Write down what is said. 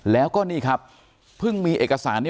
แล้วก็พึ่งมีเอกสารนี้